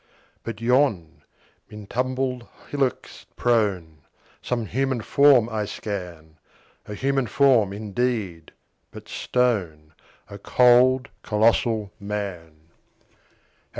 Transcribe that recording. But yon, mid tumbled hillocks prone, Some human form I scan A human form, indeed, but stone: A cold, colossal Man!